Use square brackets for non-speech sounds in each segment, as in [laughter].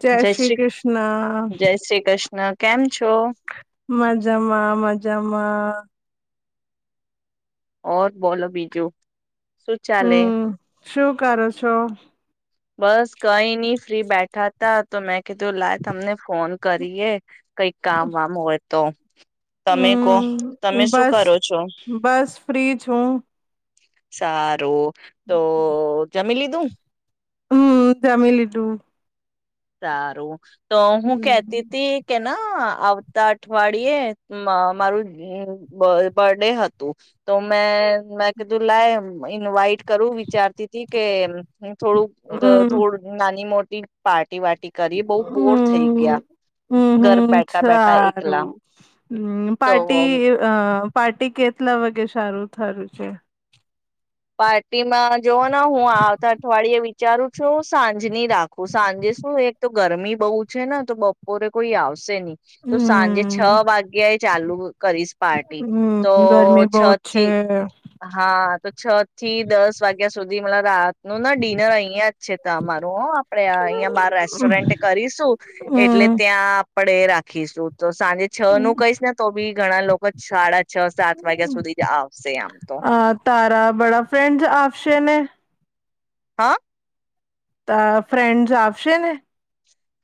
જય શ્રી કૃષ્ણ. જય શ્રી કૃષ્ણ કેમ? છો મજામાં મજામાં. ઓર બોલો બીજું. શું ચાલે? હમ શું કરો છો? બસ કઈ નહી ફ્રી બેઠ [unintelligible] તો મેં કીધું લાઈ તમને ફોન કરીએ કઈક કામ વામ હોય. તો તમે કો તમે હમ શું બસ કરો છો? બસ ફ્રી છું સારું. તો જમી લીધું? હમ જમી લીધું. સારું. તો હું કેતી તી કે. ના આવતા અઠવાડિયે મારું બર્ડે હતું તો મેં. મે કીધું લાય ઇન્વાઈટ કરું વિચારતી હતી કે. થોડુંક હમ થોડ નાની મોટી. પાત ની વા હમ હમ ઘર હમ બેઠા બેઠા સારું એકલા હું તો પાર્ટી અ. પાર્ટી કેટલા વાગે સારું થયું છે. પાર્ટીમાં જોવ ને હું આવતા અઠવાડિયે વિચારું છું સાંજની રાખું સાંજે શું એક તો ગરમી બહુ છે ને તો બપોરે કોઈ આવશે. આવશે ની તો સાંજે છ હમ વાગ્યા ચાલુ કરીશ પાર્ટી તો હમ ગરમી છ બહુ છે થી હા. થી દસ વાગ્યા સુધી મ રાત. નું ના ડિનર અહિયાં જ છે તમારું હો આપડે અહિયાંયા બાર હમ રેસ્ટોરેન્ટ કરીશું એટલે ત્યાં. પડે રાખીશું. તો સાંજે છ હમ નું કહીશ ને તો બી ઘણા લોકો ચાડા છ સાત વાગ્યા સુધી જ આવશે આમ તો. બડા ફ્રેન્ડસ આપશે ને. હા. ફ્રેન્ડ્સ આવશે ને.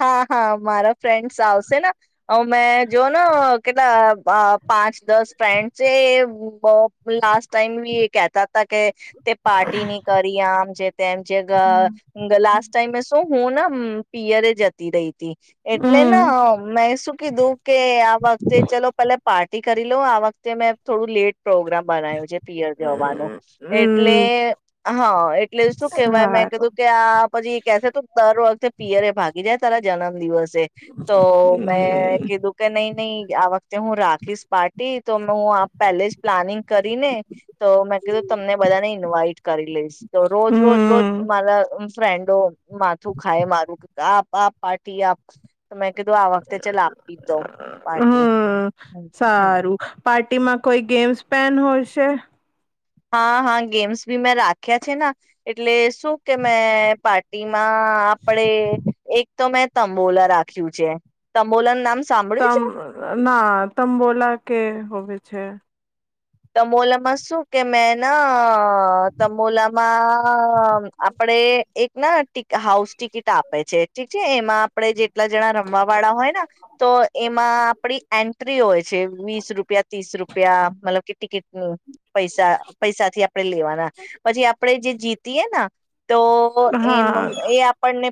હા હા મારા ફ્રેન્ડ્સ આવશે ને હ મેં જો ને કેટલા પાંચ દસ ફ્રેન્ડ છે એ બ લાસ્ટ ટાઈમ બી કેતા હતા કે. તે પાર્ટી ની કરી આમ જે તેમ હમ જે લાસ્ટ ટાઈમે શું હું. હમ પીયરે જતી રહી હતી. એટલે હમ ના મે શું. કીધું કે આ વખતે ચલો પેલે પાર્ટી કરી લો આ વખતે મેં થોડું લેટ. પ્રોગ્રામ બનાવ્યું છે પિયર જવાનું એટલે હા એટલે શું કેહેવાય મેં સારું કીધું કે આ પછી કેસે ત દર વખતે પિયરે ભાગ. સારા જન્મ દિવસ. તો મેં હમ કીધું કે નહી નહી આ વખતે હું રાખીશ પાર્ટી તો હું પેલે જ પ્લાનિંગ કરીને તો મેં કીધું તમને બધાને ઇન્વાઇટ કરી લઈશ તો રોજ રોજ રોજ હમ મારા. ફ્રેન્ડો. માથું ખાય મારું. તા. પાપ પાાર્ટી આપ. તો મેં કીધું આ વખતે ચલા આપી દઉ પાર્ટી હમ. પાર્ટી માં કોઈ ગેમ્સ પેન હોશે. હા હા ગેમ્સ ભી મેં રાખ્યા છે ને એટલે શું કે મેં પાર્ટીમાં આપડે એક તો મેં તંબોલા રાખ્યું છે તંબોલાનું નામ. સાંભળ્યું છે તમ ના તમ બોલા કે હોવે. છે તમોલામાં શું કે મેંને તમોલામાં આપડે એક ના ટ હાઉસ ટિકિટ આપે છે ઠીક છે એમાં આપણે જે કેટલા જણા રમવા વાળા હોય ને તો એમાં આપડી એન્ટ્રી હોય છે વીસ રૂપિયા ત્રીસ રૂપ પ્યા મતલબ કે ટિકટ પૈસા પૈસા થી આપણેે લેવાના પછી આપડે જે જીત ત એ ના તો હા મળે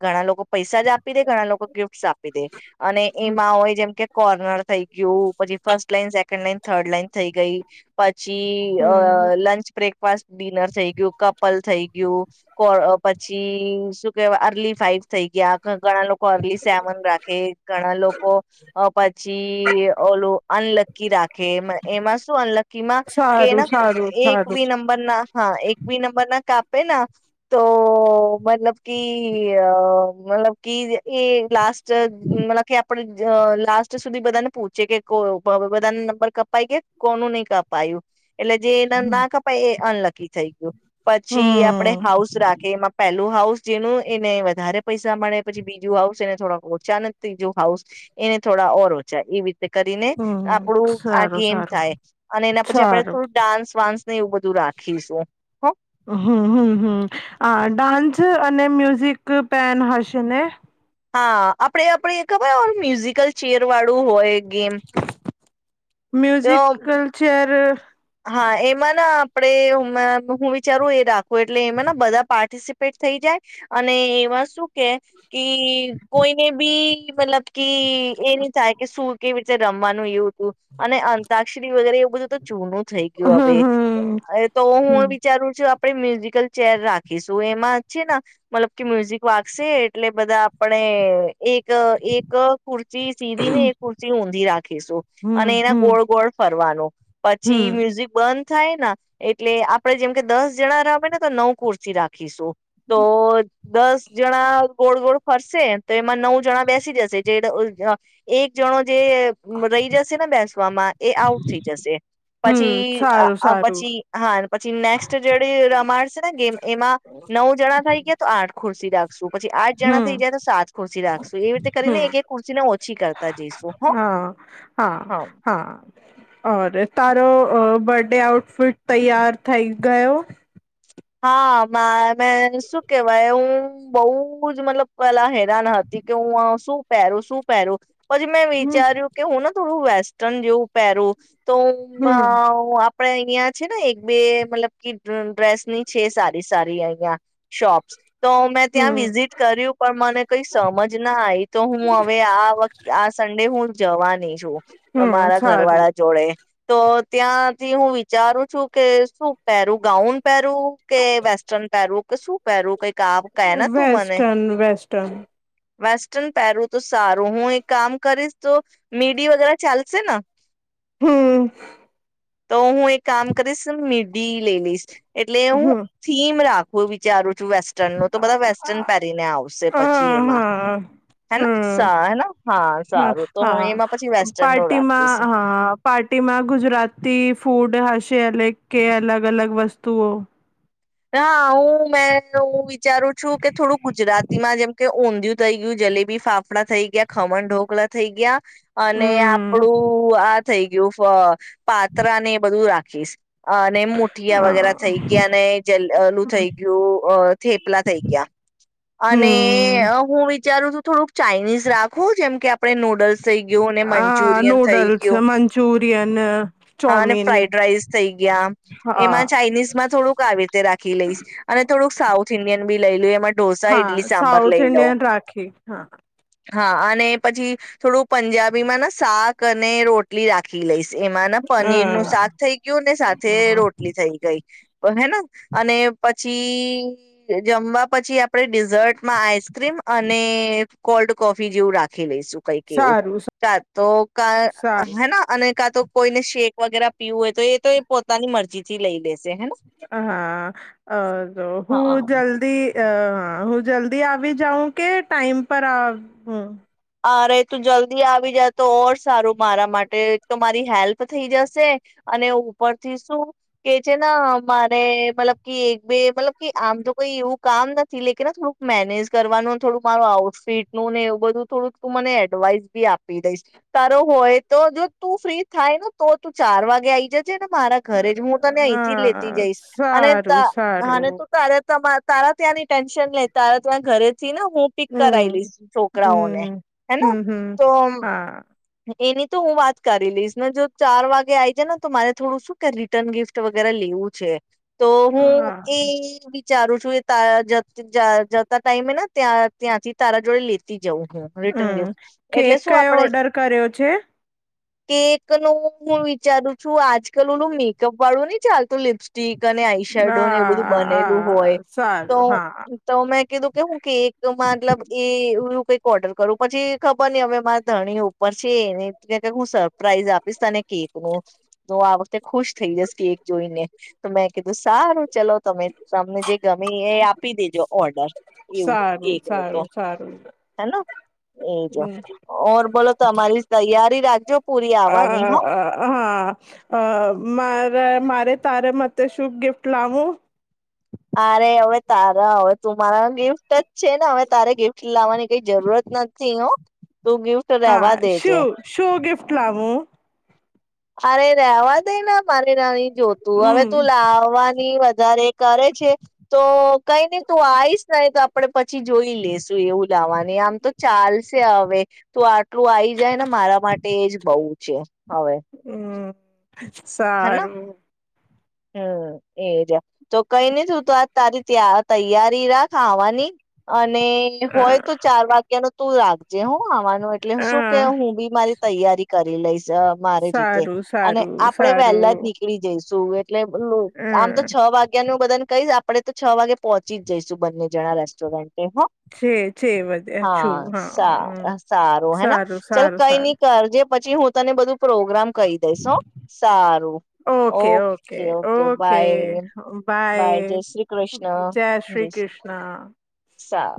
ઘણા લોકો પૈસા જ આપી દે ઘણા લોકો ગિફ્ટસ આપી દે અને એમાં હોય જેમ કે કોર્નાડ થઈ ગયું પછી first second line third line થઈ ગઈ પછ છી હમ લંચ બ્રેક ફસ્ટ ડિનર થઈ ગયું કપલ થઈ ગયું પછી શું કેવાય અર્લી ફાઈવ થઈ ગયા ઘણા લોકો અર્લી સેમન રાખે ઘણા લોકો પછી ઓલો અનલકી રાખે એમાં શું અનલકી માં કે સારું સારું એક સારું બી નંબર ના હા એક બી નંબર ના કાપ ના તો મતલબ કી મતલબ કી એ ગ્લાસ જ માલા ક્યાં આપ લાસ્ટ સુધી બધાને પૂછે કે કો હ બધાને નંબર કપાય કે કોનું નહી કપાયું. એટલે જે એના હમ ના કપાય એ અનલક કી થઈ ગ્યું. પછી આપણેે હાઉસ રાખી એમાં પેલ હાઉસ જેનું એને વધારે પૈસા મળે પછી બીજું હાઉસ એને થોડા ઓછા અને ત્રીજું હાઉસ એને થોડા ઓર ઓચા એવી રીતે. કરીને હમ આપણું આ સારું ગેમ સારું થાય અને એના પછી આપણે સારું થોડું ડાન્સ વાન્સ. ને એવું બ હમ, હમ, હમ આ ડાન્સ અને મ્યુઝિક પેન હશે ને? હા આપડે આપડે ખબર મ્યુઝિકલ ચેર વાળું હોય? ગેમ. તો મ્યુઝિકલ ચેર. હમ્મ. હા એમાં ના આપડે હુ હું વિચારું એ રાખ કો એટલે એમે ન બધા પાર્ટિસપ પેટ થઈ જાય અને એવા શું કે કી કોઈને ભી પેલા. કી એ ન ચાય કે સુ કેવી. રમવાનું યુ અને અતા શ્રી વગે એ ઉ બધું તો જુનું થઈ ગયું હવે હમ એ તો હમ હું વિચારું છું આપણે મ્યુઝિકલ ચેર રાખીશું એમાં છેન મતલબ કે મ્યુઝિક વાગશે એટલે બધા આપણે એક એક કુર્ચી સીધી ને એ કુર્ચ ઊંધી રાખીશું હમ હમ અને એના હમ ગોળ ગોળ ફર વાનું. હમ ચી મ્યુઝિક બંધ. થાય ન એટલે આપડે જેમ કે દસ જણા રમે ને તો નવ કુર્સી રાખીશું. તો દસ જણા ગોળ ગોળ. ફરસે તો એમાં નવ જણા બેસી જશે જે એક જણો. જે રહી જશે ને બેસવામાં એ આઉટ થઈ જશે. હમ પછી સારું સારું પછી હા પછી નેક્સ્ટ જે રમાડ છે ને ગેમ એમાં નવ જણા થઈ ગયા તો આઠ. ખુરશી રાખશું. પછી આઠ જણા થઈ હમ જાય તો સાત ખુરશી રાખશું એવી રીતે કરીને હમ એક એક ખુરશી ને ઓછી કરતા જઈશું હ હા. અ બર્થ ડે આઉટફિટ તૈયાર થઈ ગયો. હા મેમે શું કેવાય હું બહુ જ મતલબ પેલા હેરાન હતી કે હું શું પહેરું શું પહેરું. પછી મે હમ વિાર્યું કે હું ત. હુ વેસ્ટર્ન જેવું પહેરું. તો હું અ હમ આપડે અહિયાં છે ને એક બે મતલબ કે ડ્રેસની. છે સારી સારી આયા શોપ્સ. તો મેં ત્યાં હમ વિઝિટ કર્યું પણ મને કઈ સમજ ના આવીઈ તો હું હવે આ વત આ સન્ડે હું. જવાની હમ મારા સારું ઘરવાળા જોડે તો ત્યાંથી હું વિચારું છું કે શું પહેરું ગાઉન પહેરું કે વેસ્ટર્ન પહેરું કે શું પહેરું કઈ વેસ્ટસ્ટર્ન વેસ્ટસ્ટન. વેસ્ટર્ન પહેરવું તો સારું. હું એક કામ કરીશ તો મીડી વગેરે ચાલશેને? હમ્મ તો હું એક કામ કરીશ ને મી [unintelligible] એટલે હું થીમ રાખવું વિચારુ હ આવશે પછી એમાં હા હેને સા હેને હા હમ્મ હ સારું તો હું એમાં પછી હા વેસ્ટર્ન નું રાખીશ પાર્ટીમાં હા પાર્ટીમાં ગુજરાતી ફૂડ હશે [unintelligible] કે અલગ અલગ વસ્તુઓ ના હું હું મેું વિચારું છું કે થોડુંક ગુજરાતીમાં જેમ કે ઉંધીયુ થઇ ગયું જલેબી ફાફડા થઈ ગયા ખમણ ઢોકળા થઈ ગયા અને હમ આપડું આ થઈ ગયું પાત્રા ને બધું રાખીશ અ અને મુઠિયા અ વગેરે થઈ ગયા ને ઓલુ થઈ ગયું અ થેપલા થઈ ગયા હમ અને હું વી વિચારુ તો થોડું ચાઇનીઝ રાખો જેમ કે આપણે નૂડલ્સ થઈ ગયું આ મંચુરિયન થઈ નૂડલ્સ ગયું મંચુરિયન હા ને ચોમીન ફ્રાઇડ રાઈસ થઈ ગયા હા એમાં ચાઇનીઝ માં થોડુંક આવી રીતે રાખી લઈશ અને થોડુંક સાઉથ ઇન્ડિયન બી લઈ લે [unintelligible] હા સાઉથ ઇન્ડિયન રાખી હા હા અને પછી થોડું પંજાબી માં ને શાક અને રોટલી રાખી લઈશ એમાં ના પનીર નું શાક હમ થઈ ગયું ને સાથે રોટલી થઈ ગઈ હેના અને પછી જમવા પછી આપણે ડિઝર્ટમાં આઈસ્ક્રીમ અને કોલ્ડ કોફી જેવું રાખી લઈશું કઈક એવું સારું કા તો કા સારું હે અને કા તો કોઈને શેક વગેરે પીવું હોય તો એ તો એ પોતાની મરજી થી લઈ લે હા અ હું હા જલ્દી અ હ હું જલ્દી આવી જાઉં કે ટાઈમ પર અરે તું જલ્દી આવી જ તો ઓર સારું મારા માટે તો મારી હેલ્પ થઈ જશે અને ઉપરથી શું કે છે ને મારે મતલબ કે એક બે મતલબ કે આમ તો કઈ એવું કામ નથી લે કે ને થોડુંક મેનેજ કરવાનુંને થોડુંક મારું આઉટફિટનું ને એવું બધું થોડુંક તું મને એડવાઈસ બી આપી દઈશ તારો હોય તો જો તું ફ્રી થાય ને તો તું ચાર વાગે આયી ને મારા ઘરે જ હું તને અહીંથી લેતી હા જઈશ અને ત સારું સારું તું તારે તમા તારા ત્યાં ની ટેન્શન લે તારા ત્યાં ઘરે જ ને હું પીક કરાવી હમ લઈશ છોકરાઓ ને હમ હેના હમ હમ તો હા એની તો હું વાત કરી લઈશ ને જો ચાર વાગે આ આવી જાય ને તો માને થોડું શું કે રિટર્ન ગિફ્ટ વગેરે લેવું છે. તો હું હા એ ચારું છું એ તા જત જતા ટાઈમેને ત્યાં ત્યાં થી તારા જોડે લેતી જઉં હું. રિટર્ન હમ્મ ગિફ્ટ કેક એટલે શું કયો આપડે ઓર્ડર કર્યો છે? કેક નું હું વિચારું છું આજ કલ ઓલું મેકઅપ વાળું નહી ચાલતું લિપસ્ટિક અને આઈશરડોને એ બધું હા બનેલું હા હોય તો સારું હા તો મેં કીધું કે હું એક તો મતલબ એ- કોઈ ક ઓર્ડર કરું પછી ખબર નઈ અમે મારા ધણી ઉપર છે, એને હું સરપ્રાઈઝ આપીશ તાને કેક નું તો આ વખતે ખુશ થઈ જઈશ કેક જોઈને તો મેં કીધું સારું. ચલો તમે તમને જે ગમે એ આપી દેજો ઓર્ડર એવું સારું કેક નું સારું તો સારું હેન. એજ હમ ઓર બોલો તો અમારી તૈયાર રિ રાજ્યો અ હા અ મા. બ મારે તારે મતે શું ગિફ્ટ લાવું? અરે હવે તારા હવે તું મારા ગિફ્ટ જ છે, ને હવે તારે ગિફ્ટ લાવવાની કઈ જરૂરત નથી હ. તું ગિફ્ટ લેવા હા દેજે. શું શું ગિફ્ટ લાવું. અરે રેવા દઈ ના મારે ના. જોતું હવે હમ તું લાવવાની. દારે કરે છે તો કઈ નને તું આવીઈશ ને તો આપડણે પછી જોઈ લેશું એવું લાાવવાનું આમ તો ચાલશે હવે તું એટલું આવી જાય ને મારા માટે એજ બઉુ છે. હમ્મ. હેના સારું. હમ એ જ તો કઈ નહ થું તો આ તારી ત્યાં તૈયારી રાખાવાની અને અને હ હોય તો ચાર વાગ્યા ન તું રાખજે હો. એટલે શું કે હ હું બી મારી તૈયારી કરી. [unintelligible] મારી રીતે સારું અને સારું આપણે પહેલા સારું જ નીળી સુું એ એટલે [unintelligible] આમ તો હમ છ વાગ્યા નુ બધાને કઈ આપડે તો છ વાગે પહોંચી જઈશું બંને જણા રેસ્ટોરન્ટ એ હ છે છે બધે હા છું હા સાર સારું હેના ચાલ સારું કઈ ન સારું કરજે પછી હું તને બધું પ્રોગ્રામ કહી દઈસ હ. સારું ઓકે ઓકે ઓકે બાય જય શ્રી કૃષ્ણ. સા